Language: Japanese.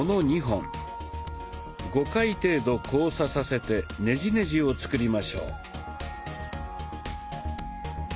５回程度交差させてネジネジを作りましょう。